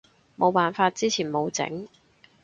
冇辦法，之前冇整